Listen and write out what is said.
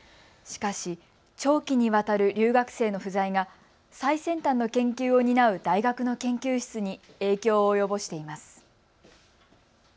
しかし、長期にわたる留学生の不在が最先端の研究を担う大学の研究室に影響を及ぼしています。